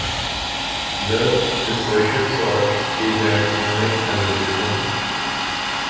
Thus insertion sort is an online algorithm.